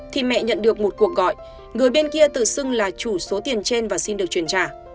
thì mẹ nhận được một cuộc gọi người bên kia tự xưng là chủ số tiền trên và xin được chuyển trả